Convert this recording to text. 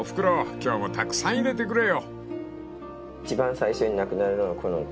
今日もたくさん入れてくれよ］